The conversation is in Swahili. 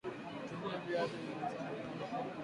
tumia Viazi vilivyosagwa pondwa pondwa